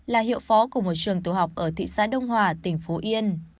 là hiệu phó của một trường tiểu học ở thị xã đông hòa tỉnh phú yên